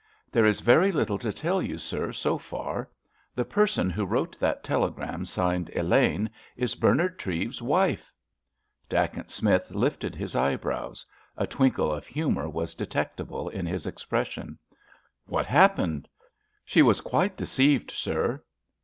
"There is very little to tell you, sir, so far. The person who wrote that telegram signed 'Elaine,' is Bernard Treves's wife!" Dacent Smith lifted his eyebrows; a twinkle of humour was detectable in his expression. "What happened?" "She was quite deceived, sir!"